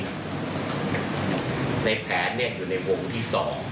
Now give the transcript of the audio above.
ในแผนอยู่ในวงที่๒